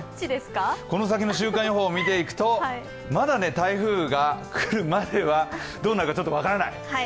この先の週間予報を見ていくと、まだ台風が来る前はどうなるかちょっと分からない。